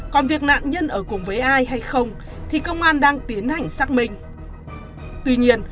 còn việc nạn nhân ở cùng với ai hay không thì công an đang tiến hành xác minh